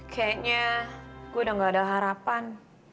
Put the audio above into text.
kayaknya gue udah gak ada harapan